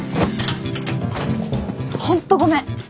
本当ごめん。